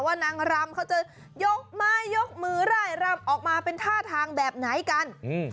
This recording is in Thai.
นางรำเขาจะยกไม้ยกมือร่ายรำออกมาเป็นท่าทางแบบไหนกันอืม